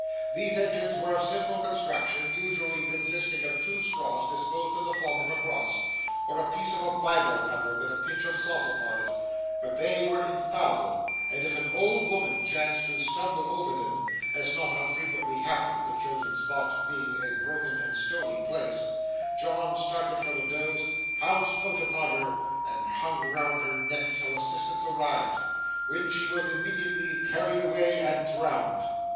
These engines were of simple construction, usually consisting of two straws disposed in the form of a cross, or a piece of a Bible cover with a pinch of salt upon it; but they were infallible, and if an old woman chanced to stumble over them (as not unfrequently happened, the chosen spot being a broken and stony place), John started from a doze, pounced out upon her, and hung round her neck till assistance arrived, when she was immediately carried away and drowned.